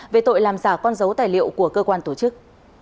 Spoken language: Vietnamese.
về tội làm giả con dấu tài liệu của cơ quan tổ chức